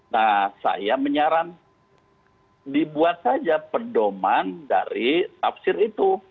nah saya menyarankan dibuat saja perdoman dari tafsir itu